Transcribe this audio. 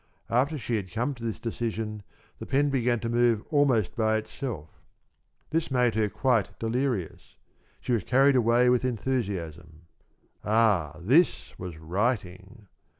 After she had come to this decision, the pen began to move almost by itself. This made her quite delirious. She was carried away with enthusiasm. Ah, this was writing!